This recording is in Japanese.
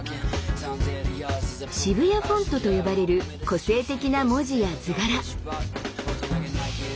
「シブヤフォント」と呼ばれる個性的な文字や図柄。